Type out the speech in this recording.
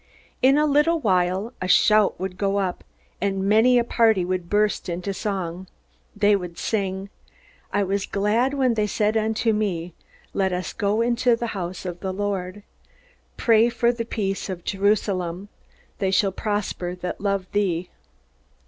In a little while a shout would go up, and many a party would burst into song. They would sing: "'I was glad when they said unto me, Let us go into the house of the Lord.... Pray for the peace of Jerusalem: They shall prosper that love thee.'"